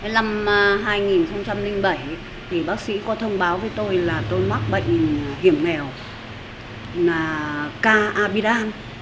năm hai nghìn bảy bác sĩ có thông báo với tôi là tôi mắc bệnh hiểm nghèo ca abidan